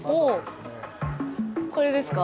これですか。